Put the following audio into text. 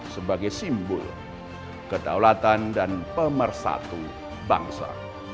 sebagai simbol kedaulatan dan pemersatu bangsa